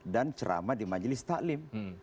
dan cerama di majelis talim